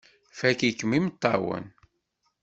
Fakk-ikem imeṭṭawen!